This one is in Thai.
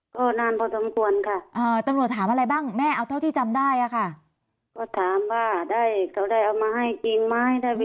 ก็ถามว่าได้เขาได้เอามาให้จริงไหมได้ไปขึ้นจริงไหมค่ะ